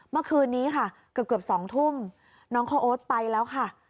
เมื่อคืนนี้ค่ะเกือบ๒ทุ่มน้องข้าวโอ๊ตไปแล้วค่ะ